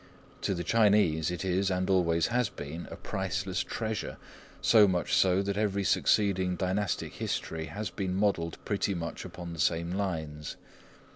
To the Chinese it is, and always has been, a priceless treasure; so much so that every succeeding Dynastic History has been modelled pretty much upon the same lines.